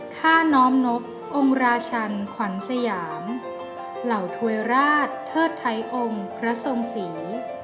ท่าน้อมนบองค์ราชันขวัญสยามเหล่าถวยราชเทิดไทยองค์พระทรงศรี